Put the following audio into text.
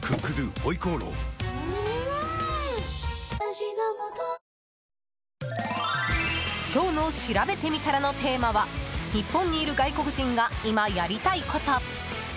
味で選べば「ＦＩＲＥＯＮＥＤＡＹ」今日のしらべてみたらのテーマは日本にいる外国人が今やりたいこと。